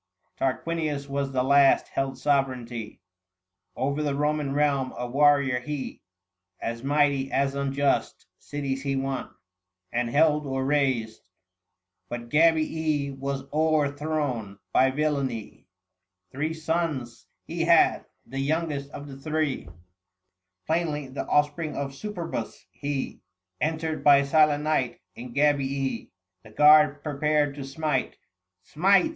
Tarquinius was the last held sovereignty Over the Roman realm : a warrior lie 735 As mighty as unjust : cities he won, And held or rased ; but Gabii was o'erthrown By villany. Book II. THE FASTI. 59 Three sons be had ; the youngest of the three — Plainly the offspring of Superbus — he 740 Entered by silent night in Gabii. The guard prepared to smite :" Smite